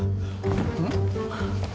うん？